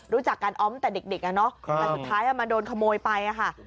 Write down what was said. รู้จักกันออมตั้งแต่เด็กแล้วสุดท้ายเอามาโดนขโมยไปค่ะ